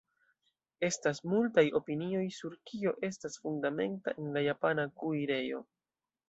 Estas multaj opinioj sur kio estas fundamenta en la japana kuirejo.